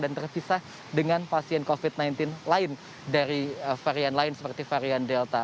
terpisah dengan pasien covid sembilan belas lain dari varian lain seperti varian delta